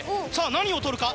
何を取るか？